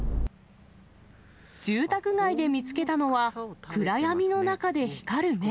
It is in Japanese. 住宅街で見つけたのは、暗闇の中で光る目。